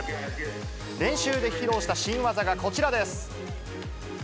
練習で披露した新技がこちらです。